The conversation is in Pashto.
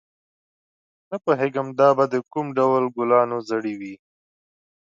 نه پوهېږم دا به د کوم ډول ګلانو زړي وي.